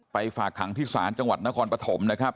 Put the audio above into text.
ฝากขังที่ศาลจังหวัดนครปฐมนะครับ